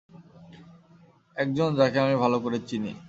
একজন যাকে আমি ভালো করে চিনি।